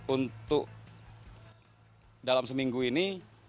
untuk dalam seminggu ini